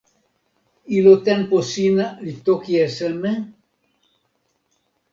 ilo tenpo sina li toki e seme?